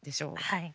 はい。